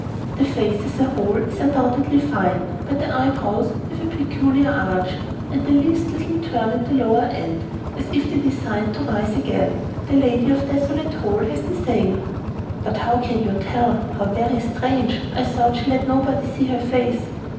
"The face, as a whole, is undoubtedly fine. But the eyebrows have a peculiar arch, and the least little turn at the lower end, as if they designed to rise again. The lady of Desolate Hole has the same." "But how can you tell? How very strange! I thought she let nobody see her face."